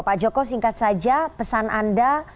pak joko singkat saja pesan anda